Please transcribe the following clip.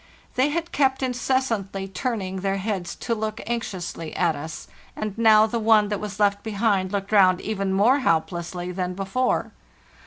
They had kept incessantly turning their heads to look anxiously at us, and now the one that was left behind looked round even more helplessly than before.